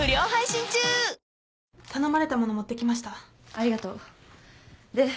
ありがとう。で？